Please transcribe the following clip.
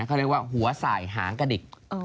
เขาเรียกว่าหัวสายหางกระดิก